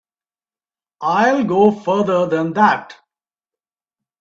I'll go further than that.